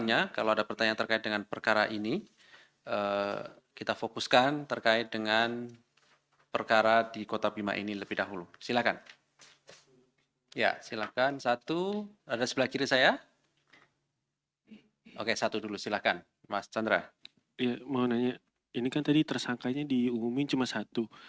ya mau nanya ini kan tadi tersangkanya diumumin cuma satu